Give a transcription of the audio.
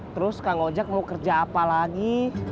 terus kak ngajak mau kerja apa lagi